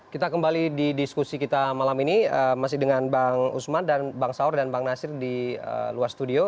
kita kembali di diskusi kita malam ini masih dengan bang usman dan bang saur dan bang nasir di luar studio